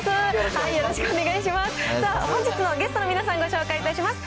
さあ、本日のゲストの皆さん、ご紹介いたします。